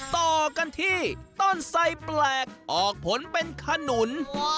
ต่อกันที่ต้นไส้แปลกออกผลเป็นขนุน